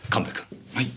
はい。